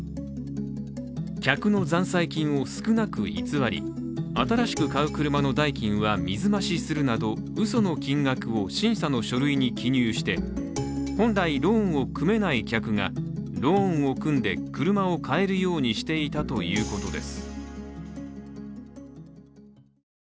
客の残債金を少なく偽り、新しく買う車の代金は水増しするなど、うその金額を審査の書類に記入して本来ローンを組めない客がローンを組んで、車を買えるようにしていたということです。